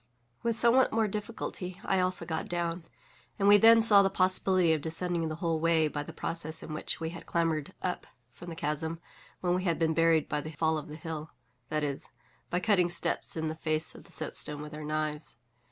With somewhat more difficulty I also got down; and we then saw the possibility of descending the whole way by the process in which we had clambered up from the chasm when we had been buried by the fall of the hill—that is, by cutting steps in the face of the soapstone with our knives.